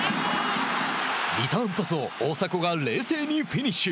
リターンパスを大迫が冷静にフィニッシュ。